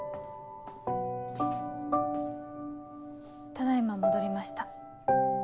ただ今戻りました。